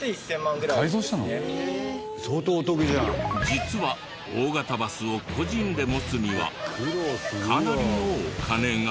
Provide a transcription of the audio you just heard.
実は大型バスを個人で持つにはかなりのお金が。